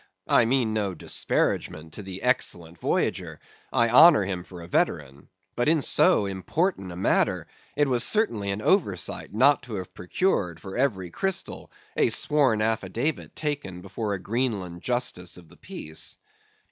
I mean no disparagement to the excellent voyager (I honor him for a veteran), but in so important a matter it was certainly an oversight not to have procured for every crystal a sworn affidavit taken before a Greenland Justice of the Peace.